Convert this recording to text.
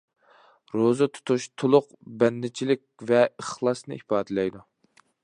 روزا تۇتۇش تولۇق بەندىچىلىك ۋە ئىخلاسنى ئىپادىلەيدۇ.